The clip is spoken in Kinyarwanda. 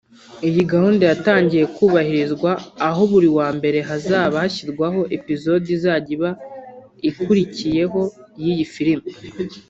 Iyi gahunda yatangiye kubahirizwa aho buri wa mbere hazajya hashyirwaho Episode izajya iba ikurikiyeho y’iyi filime